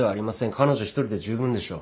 彼女一人で十分でしょう。